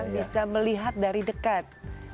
bisa melihat dari dekat